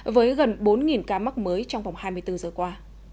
với gần bốn ca mắc mới trong vòng hai mươi bốn giờ qua